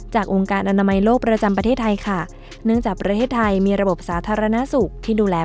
จากองค์การอนามัยโลกประจำประเทศไทยค่ะ